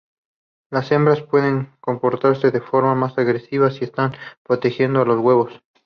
Las hembras pueden comportarse de forma más agresiva si están protegiendo a los huevos.